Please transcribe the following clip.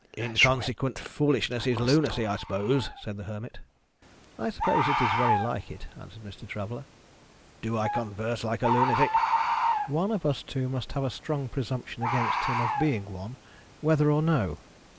"Inconsequent foolishness is lunacy, I suppose?" said the Hermit. "I suppose it is very like it," answered Mr. Traveller. "Do I converse like a lunatic?" "One of us two must have a strong presumption against him of being one, whether or no.